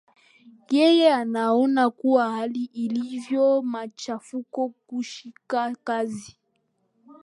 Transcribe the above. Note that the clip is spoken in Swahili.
yeye anaona kuwa hali ilivyo machafuko kushika kasi